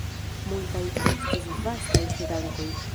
Multaj estis vastaj ŝrankoj.